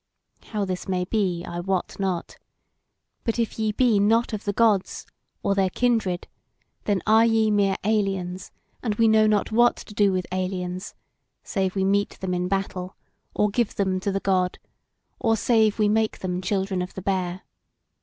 How this may be, I wot not. But if ye be not of the Gods or their kindred, then are ye mere aliens; and we know not what to do with aliens, save we meet them in battle, or give them to the God, or save we make them children of the Bear.